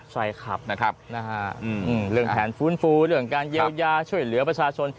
ใช่ครับนะครับเรื่องแผนฟื้นฟูเรื่องการเยียวยาช่วยเหลือประชาชน